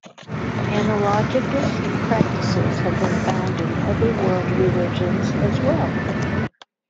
Analogous practices have been found in other world religions as well.